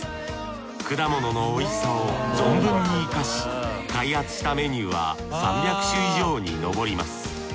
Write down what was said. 果物のおいしさを存分に生かし開発したメニューは３００種以上にのぼります。